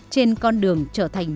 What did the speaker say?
trên con đường trở thành